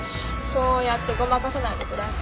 そうやってごまかさないでください。